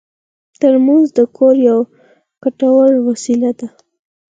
ترموز د کور یوه ګټوره وسیله ده.